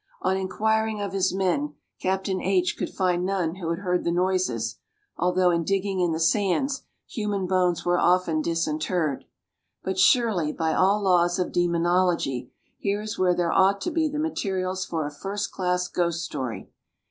On inquiring of his men, Capt. H could find none who had heard the noises; although, in digging in the sands, human bones were often disinterred. But surely, by all laws of demonology, here is where there ought to be the materials for a first class ghost story.